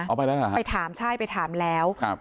เอาไปแล้วเหรอฮะไปถามใช่ไปถามแล้วครับ